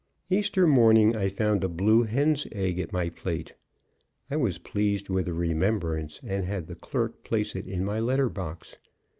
Easter morning I found a blue hen's egg at my plate. I was pleased with the remembrance and had the clerk place it in my letter box.